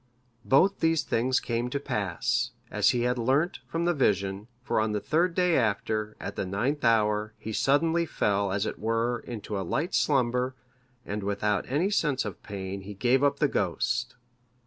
Both these things came to pass, as he had learnt from the vision; for on the third day after, at the ninth hour, he suddenly fell, as it were, into a light slumber, and without any sense of pain he gave up the ghost.